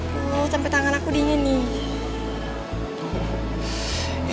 tuh tempet tangan aku dingin nih